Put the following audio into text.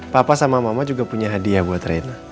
papa sama mama juga punya hadiah buat reina